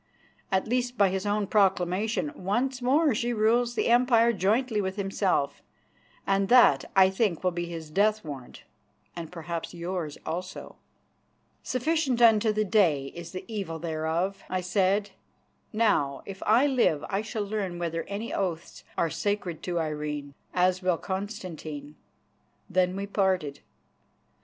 At least, by his own proclamation once more she rules the Empire jointly with himself, and that I think will be his death warrant, and perhaps yours also." "Sufficient unto the day is the evil thereof," I said. "Now if I live I shall learn whether any oaths are sacred to Irene, as will Constantine." Then we parted.